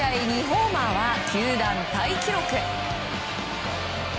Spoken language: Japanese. ２ホーマーは球団タイ記録。